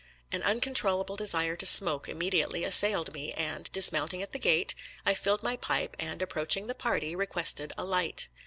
An uncontrollable desire to smoke immediately assailed me, and, dismounting at the gate, I filled my pipe, and, approaching the party, requested a light.